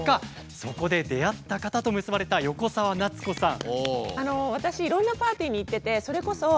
そこで出会った方と結ばれた横澤夏子さん。